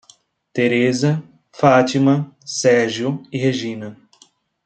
Tereza, Fátima, Sérgio e Regina